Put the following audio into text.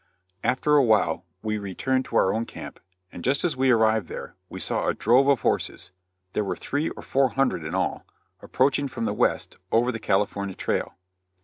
After a while we returned to our own camp, and just as we arrived there, we saw a drove of horses there were three or four hundred in all approaching from the west, over the California trail.